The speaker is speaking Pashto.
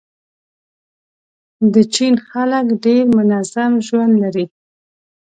د چین خلک ډېر منظم ژوند لري.